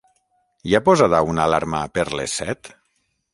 Hi ha posada una alarma per les set?